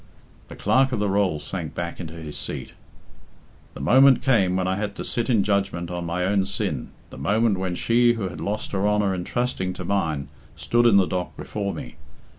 The Clerk of the Rolls sank back into his seat. "The moment came when I had to sit in judgment on my own sin, the moment when she who had lost her honour in trusting to mine stood in the dock before me.